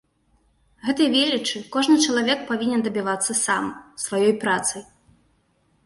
Гэтай велічы кожны чалавек павінен дабівацца сам, сваёй працай.